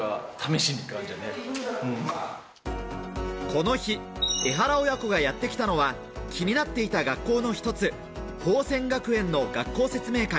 この日、エハラ親子がやってきたのは気になっていた学校の一つ、宝仙学園の学校説明会。